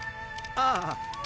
ああ。